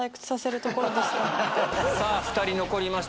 さぁ２人残りました。